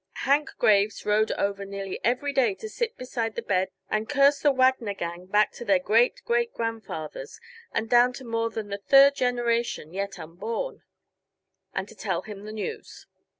Hank Graves rode over nearly every day to sit beside the bed and curse the Wagner gang back to their great great grandfathers and down to more than the third generation yet unborn, and to tell him the news.